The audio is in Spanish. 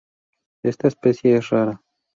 Esta especie es rara.